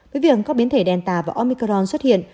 với việc có biến thể delta và omicron xuất hiện